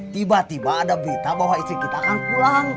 tiba tiba ada berita bahwa istri kita akan pulang